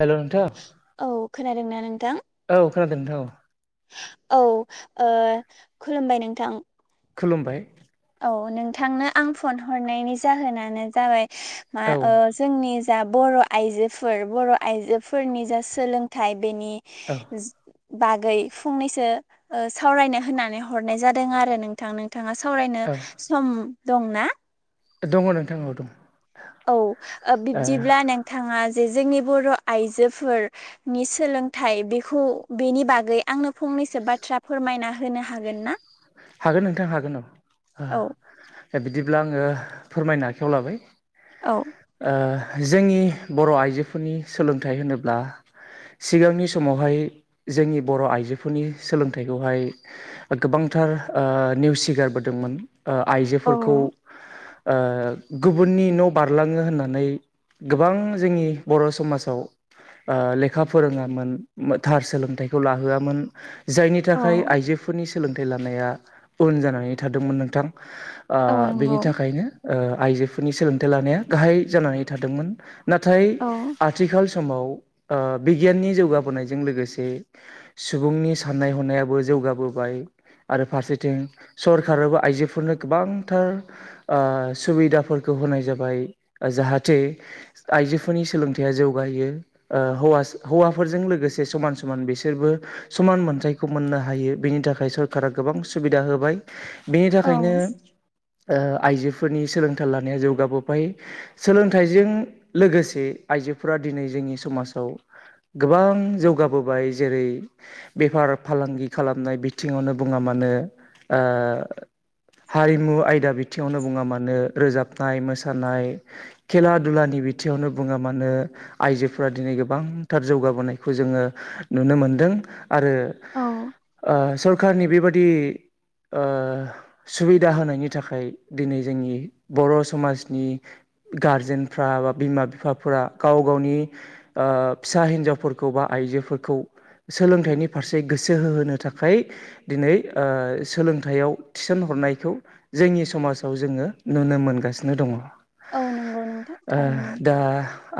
हेल' नोंथां औ खोनादोंना नोंथां खोनादोंथ' औ औ ओ खुलुमबाय नोंथां खुलुमबाय अ नोंथांनो आं फन हरनायनि जाहोनानो जाबाय मा औ ओ जोंनि दा बर' आइजोफोर बर' आइजोफोरनि जा सोलोंथाइ बेनि औ बागै फंनैसो ओ सावरायनो होननानै हरनाय जादों आरो नोंथांनो बिथाङा सावरायनो औ सम दं ना दङ नोंथां औ दं औ ओ बिब्दिब्ला नोंथाङा जे जोंनि बर' आइजोफोरनि सोलोंथाइ बेखौ बेनि बागै आंनो फं- नैसो बाथ्रा फोरमायना होनो हागोन ना हागोन नोंथां हागोन औ औ बिदि बिब्ला आङो फोरमायनो आखायाव लाबाय औ ओ जोंनि बर' आइजोफोरनि सोलोंथाइ होनोब्ला सिगांनि समावहाय जोंनि बर' आइजोफोरनि सोलोंथाइखौहाय ओ गोबां - थार ओ निउसिगारबोदोंमोन ओ औ आइजोफोरखौ ओ गुबुननि न' बारलाङो होननानै गोबां जोंनि बर' समाजाव ओ लेखा फोरोङामोन थार सोलोंथाइखौ लाहोआमोन ‌ जायनि औ थाखाय आइजोफोरनि सोलोंथाइ लानाया उन जानानै थादोंमोन नोंथां ‌ ओ औ बेनि नंगौ थाखायनो ओ आइजोफोरनि सोलोंथाइ लानाया गाहाय जानानै थादोंमोन नाथाय औ आथिखाल समाव ओ बिगियाननि जौगाबोनायजों लोगोसे सुबुंनि साननाय हनायाबो जौ गाबोबाय। आरो फारसेथिं सरखाराबो आइजोफोरनो गोबांथार ओ सुबिदाफोर खौ होनाय जाबाय ओ जाहाथे आइजोफोरनि सोलोंथाइया जौगायो ओ हौवा सा हौवाफोरजों लोगोसे समान समान बिसोरबो समान मोनथायखौ मोननो हायो बेनि थाखाय सर कारा गोबां सुबिदा होबाय बिनि औ थाखायनो ओ आइजोफोरनि सोलोंथाइ लानाया जौगाबोबोबाय सोलोंथाइजों लोगोसे आइ आइजोफोरा दिनै जोंनि समाजाव गोबां जौगाबोबाय जेरै बेफार फालांगि खालामनाय बिथिङावनो बुङा मानो ओ हारिमु आयदा बिथिङावनो बुङा मानो, रोजाबनाय मोसानाय, खेला दुलानि बिथियावनो बुङा मानो आइजोफोरा दिनै गोबांथार जौगाबोनायखौ जोङो नुनो मोनदों। आरो औ ओ सरखारारनि बेबादि ओ सुबिदा होनायनि थाखाय दिनै जोंनि बर' समाजनि गारजेनफ्रा बा बिमा बिफाफोरा गाव गावनि ओ फिसा हिन्जावफोरखौ बा आइजोफोरखौ सोलोंथाइनि फारसे गोसो होहोनो थाखाय दिनै ओ सोलोंथाइयाव थिसन हरनायखौ जोंनि समाजाव जोङो नुनो मोन मोनगासि दङ'ओ औ नंगौ नोंथां थारैनो दा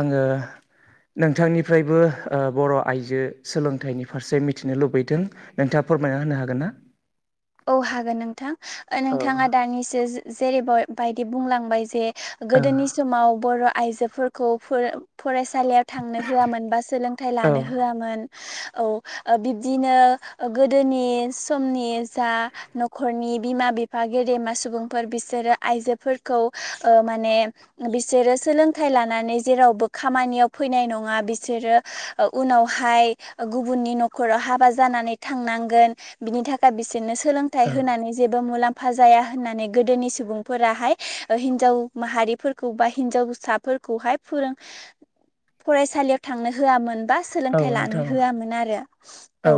आङो नोंथांनिफ्रायबो ओ बर' आइजो सोलोंथाइनि फारसे मिथिनो लुबैदों नोंथां फोरमायना होनो हागोन ना? औ हागोन नोंथां ओ औ नोंथाङा दानिसो जे जेरैबय बायदि बुंलांबाय जे औ गोदोनि समाव बर' आइजोफोरखौ फोर फरायस सालियाव थांनो होआमोन बा सोलोंथाइ औ लानो होआमोन। औ ओ बिब्दिनो ओ गोदोनि समनि जा न'खरनि बिमा बिफा गेदेमा सुबुंफोर बिसोरो आइजोफोरखौ ओ मा माने बिसोरो सोलोंथाइ लानानै जेरावबो खामानियाव फैनाय नङा बिसोरो ओ उनावहाय गुबुननि न'खराव हाबा जानानै थांनांगोन बिनि थाखाय बिस बिनो औ सोलोंथाइ होनानै जेबो मुलाम फा जाया होननानै गोदोनि सुबुंफोराहाय ओ हिनजाव माहारिफोरखौ बा हिनजावसाफोर फोरखौहाय फोरों फरायसालियाव थांनो होआमोन। बा औ सोलोंथाइ लानो नोंथां होआमोन आरो औ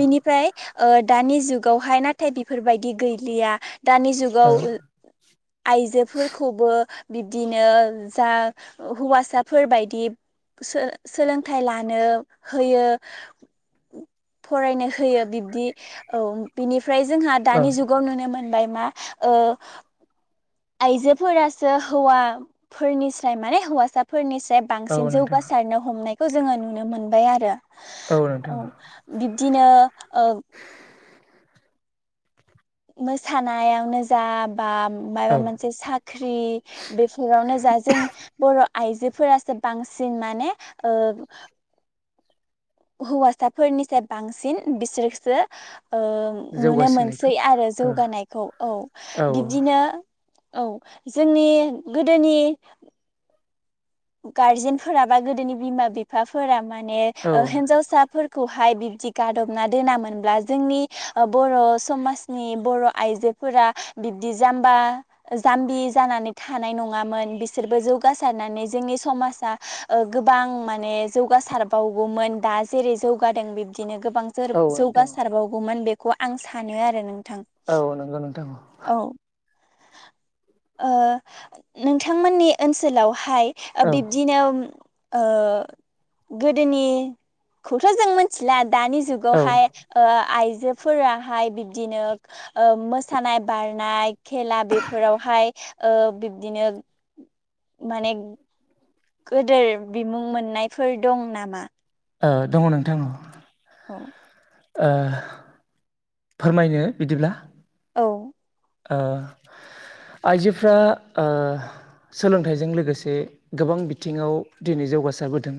बिनिफ्राय ओ दानि जुग गावहाय नाथाय बिफोरबायदि गैलिया दानि औ जुगाव उल आइजोफोरखौबो बिब्दिनो जा हौवासाफोरबायदि सो सोलोंथाइ लानो होयो फरायनो होयो बिब्दि औ बिनिफ्राय जोंहा औ दानि जुगाव नुनो मो मोनबाय मा ओ आयजोफोरासो हौवाफोरनिसाय माने हौवासाफोरनिस दा औ बांसिन नोंथां जौगासारनो हमनायखौ जोङो नुनो मोनबाय आरो। औ बिब्दिनो ओ। मोसानायावनो जा बा औ माबा मोनसे साख्रि बेफोरावनो जा जों बर' आइजोफोरासो बांसिन माने ओ हौवासाफोरनिसाय बांसिन बिसोरखोसो ओ नुनो जौगासिननायखौ मोनसै आरो औ जौगानायखौ औ औ बिब्दिनो औ जोंनि गोदोनि गारजेनफोरा बा गोदोनि बिमा-बिफाफोरा माने औ ओ हेनजावसाफोर खौहाय बिब्दि गादबना दोनामोनब्ला जोंनि ओ बर' समाजनि बर' आइजो फोरा बिब्दि जामबा जामबि जानानै थानाय नङामोन बिसोरबो जौगासारनानै जोंनि समाजा ओ गोबां माने जौगासारबावगौमोन दा जेरै जौगादों बिब्दिनो गो औ बांजोर नोंथां जौगासारबावगौमोन बेखौ आं सानो आरो नों औ नंगौ नोंथां औ ओ नोंथांमोननि ओनसोलाव हाय ओ औ बिब्दिनो ओ गोदोनि खौथ' जों मोन्थिला दानि औ ओ जुगावहाय ओ आइ जोफोराहाय बिब्दिनो ओ मोसानाय बारनाय खेला बेफोरावहाय ओ बिब्दिनो माने गोदोर बिमुं मोननायफोर दं नामा? ओ दङ' नोंथां औ ओ फोरमायनो बिदिब्ला औ ओ आइजोफ्रा ओ सोलोंथाइजों लोगोसे गोबां बिथिङाव दिनै जौगासारबोदों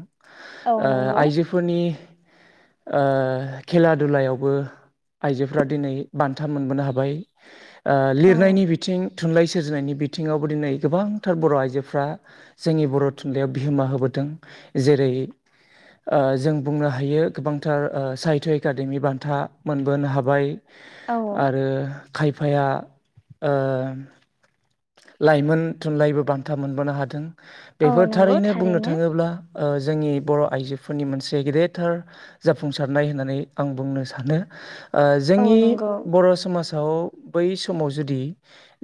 औ ओ नंगौ आइजोफोरनि ओ खेला दुलायावबो आइजोफ्रा दिनै बान्था मोनबोनो हाबाय ओ औ लिरनायनि बिथिं थुनलाइ सोरजिनायनि बिथिङावबो दिनै गोबांथार बर' आइजोफ्रा जोंनि बर' थुनलाइयाव बिहोमा होबो दों जेरै ओ जों बुंनो हायो गोबांथार ओ साहित्य एकादेमि बान्था मोन बोनो हाबाय आरो खायफाया ओ लाइमोन थुनलाइबो बान्था मोनबोनो हादों औ बेफोर नंगौ थारैनो बुंनो थाङोब्ला ओ जोंनि बर' आइजोफोरनि मोनसे गेदेरथार जाफुंसारनाय होननानै आं बुंनो सानो ओ औ जोंनि नंगौ बर' समाज आव बै समाव जुदि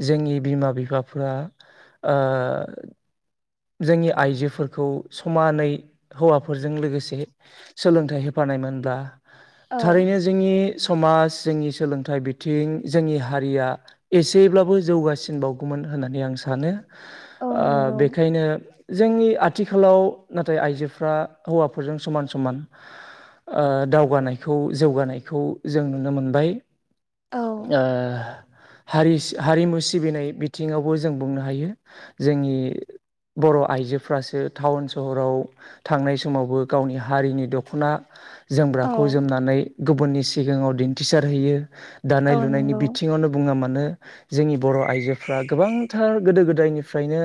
जोंनि बिमा-बिफाफोरा ओ जोंनि आइजोफोरखौ समानै हौवाफोरजों लोगोसे सोलोंथाइ होफा नाय मोन दा औ थारैनो जोंनि समाज जोंनि सोलोंथाइ बिथिं जोंनि हारिया एसेब्लाबो जौगासिन बावगोमो न होननानै आं सानो औ ओ नंगौ बि दिनो जोंनि आथिखालाव नाथाय आइजोफ्रा हौवाफोरजों समान समान ओ दावगानायखौ जौगानायखौ जों नुनो मोनबाय औ ओ हारिस-हारिमु सिबिनाय बिथिङावबो जों बुंनो हायो जोंनि बर' आइजोफ्रासो टाउन सहराव थांनाय समावबो गावनि हारिनि दख'ना औ जोमग्राखौ जोमनानै गुबुननि सिगाङाव दिन्थिसारहैयो दानाय औ लुनायनि नंगौ बिथिङावनो बुङा मानो जोंनि बर' आइजोफ्रा गोबांथार गोदो गोदायनिफ्रायनो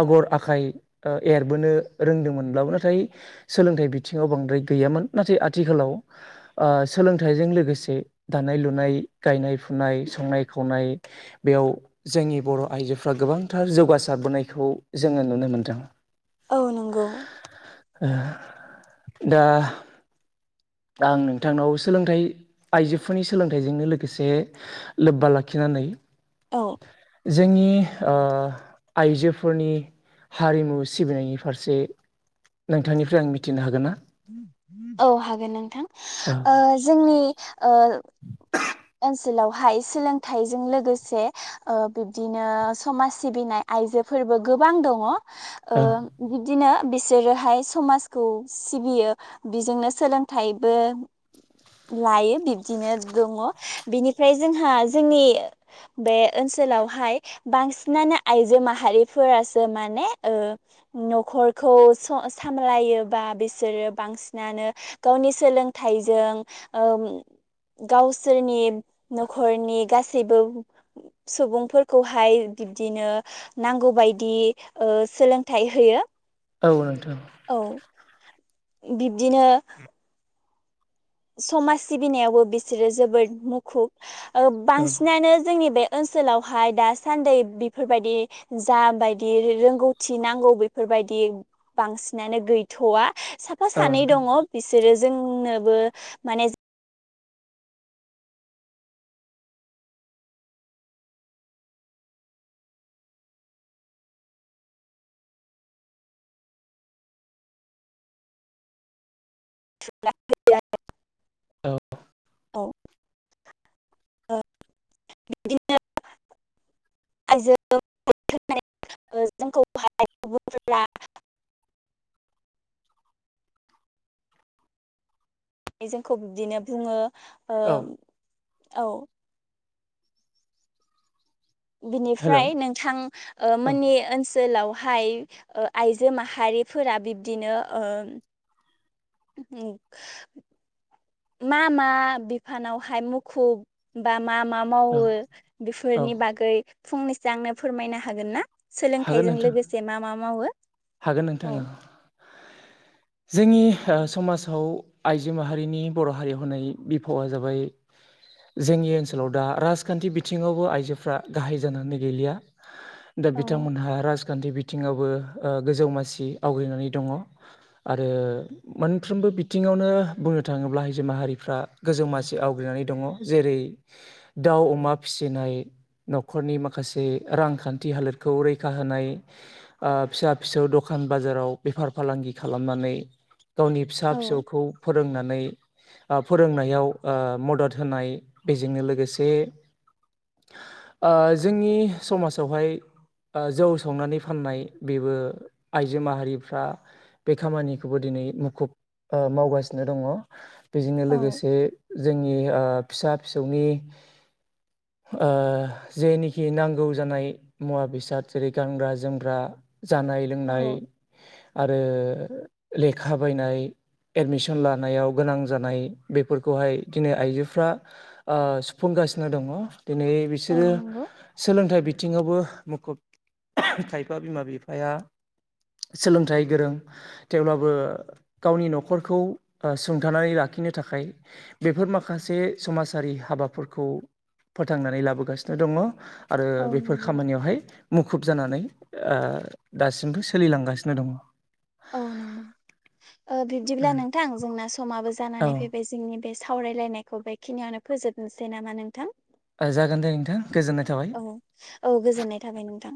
आगर आखाइ ओ एरबोनो रोंदोंमोनब्लाबो नाथाय सोलोंथाइ बिथिङाव बांद्राय गैया मोन नाथाय आथिखालाव ओ सोलोंथाइजों लोगोसे दानाय लुनाय गायनाय फुनाय य संनाय खावनाय बेयाव जोंनि बर' आइजोफ्रा गोबांथार जौगासारबोनायखौ जोङो नुनो मोन्दों औ नंगौ ओ दा आं नोंथांनाव सोलोंथाइ आइजोफोरनि सोलोंथाइजोंनो लोगोसे लोब्बा लाखिना नै औ जोंनि ओ आइजोफोरनि हारिमु सिबिनायनि फारसे नोंथांनिफ्राय आं मिथिनो हागोन ना? औ हागोन नोंथां औ ओ जोंनि ओ ओनसोलावहाय सोलोंथाइजों लोगोसे ओ बिब्दिनो समाज सिबिनाय आइजो फोरबो गोबां दङ ओ बिबदिनो बिसोरोहाय समाजखौ सिबियो बिजोंनो सोलोंथाइबो लायो बिब्दिनो दङ। बिनिफ्राय जोंहा जोंनि बे ओनसोलावहाय बांसिनानो आइजो माहारिफोरासो माने ओ न'खरखौ स-सामलायोबा बे सोरो बांसिनानो गावनि सोलोंथाइजों ओ गाव सोरनि न'खरनि गासैबो सुबुंफोरखौहाय बिब्दिनो नांगौ बायदि ओ सोलोंथाइ होयो। औ [unintelligible] औ बिब्दिनो समाज सिबिनायावबो बिसोरो जोबोद मुखुब ओ औ बांसिनानो जोंनि बे ओनसोलावहाय दासान्दै बिफोरबायदि जाबायदि रोंगौथि नांगौ बेफोर बायदि बांसिनानो गैथ'वा। साफा औ सानै नोंथां दङ बिसोरो जोंनोबो माने [unintelligible] औ। औ बिदिनो [unintelligible] [inaudible] जोंखौ बिब्दिनो बुङो ओ औ औ। हेल' बिनिफ्राय औ नोंथां ओ मोननि ओनसोल ओनसोलावहाय ओ आइजो माहारिफोरा बिब्दिनो ओ ओम। मा मा बिफानावहाय मुखुब बा मा मा औ मावो औ बेफोरनि बागै फंनैसो आंनो फोरमायनो हागोन ना? हागोन सोलोंथाइजों नोंथां लोगोसे मा मा मावो? हागोन नोंथां औ। [inaudible] जोंनि ओ समाजाव आइजो माहारिनि बर' हारि होननाय बिफावा जाबाय जोंनि ओनसोलाव दा राजखान्थि बिथिङावबो आइजोफ्रा गाहाय जानानै गैलिया। दा औ बिथांमोनहा राजखान्थि बिथिङावबो ओ गोजौ मासि आवग्रिनानै दङ आरो मोनफ्रोमबो बिथिङावनो बुं बुंनो थाङोब्ला आइजो माहारिफ्रा गोजौ मासि आवग्रिनानै दङ जेरै दाउ अमा फिसि नाय न'खरनि माखासे रांखान्थि हालोदखौ रैखा होनाय ओ फिसा फिसौ दखान बाजाराव बेफार फालांगि खालामनानै गावनि फिसा औ फिसौखौ फोरोंनानै ओ फोरोंनायाव ओ मदद होनाय बेजोंनो लोगोसे ओ जोंनि समाजावहाय ओ जौ संनानै फाननाय बेबो आइजो माहारिफ्रा बे खामानिखौबो दिनै मुखुब ओ मावगासिनो दङ बेजोंनो लोगोसे जों नि ओ फिसा फिसौनि ओ जेनिखि नांगौ जानाय मुवा बेसाद जेरै गानग्रा जोमग्रा जानाय औ लोंनाय आरो लेखा बायनाय एडमिसन लानायाव गोनां जानाय बेफोरखौहाय दिनै आइजोफ्रा ओ सुफुं गासिनो दङ। दिनै औ बिसोरो नंगौ सोलोंथाइ बिथिङावबो मुखुब खायफा बिमा बिफा। फाया। सोलोंथाइ गोरों थेवब्लाबो गावनि न'खरखौ ओ सुंथानानै लाख खिनो थाखाय बेफोर माखासे समाजारि हाबाफोरखौ। फोथांनानै लाबोगासिनो दङ। आरो औ बेफोर नंगौ खामानियावहाय मुखुब जानानै ओ दासिमबो सोलिलांगासिनो दङ। औ नंगौ ओ बिब्दिब्ला नोंथां जोंना समाबो जानानै औ फैबाय जोंनि बे सावरायलायनायखौ बेखिनियावनो फोजोबनोसै नामा नोंथां? ओ जागोन दे नोंथां गोजोननाय थाबाय। औ-औ गोजोननाय थाबाय नोंथां।